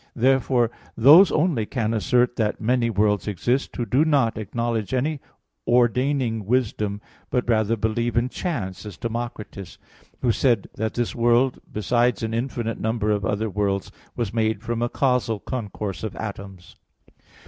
Therefore those only can assert that many worlds exist who do not acknowledge any ordaining wisdom, but rather believe in chance, as Democritus, who said that this world, besides an infinite number of other worlds, was made from a casual concourse of atoms.